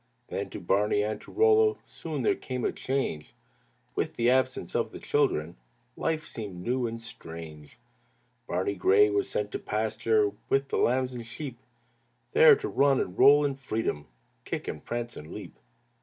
Then to Barney and to Rollo Soon there came a change. With the absence of the children Life seemed new and strange. Barney Gray was sent to pasture With the lambs and sheep, There to run and roll in freedom, Kick and prance and leap.